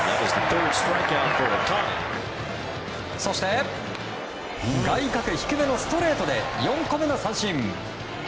そして外角低めのストレートで４個目の三振。